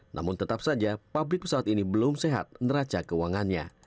namun tetap saja pabrik pesawat ini belum sehat neraca keuangannya